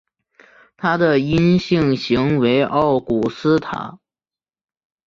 它的阴性型为奥古斯塔。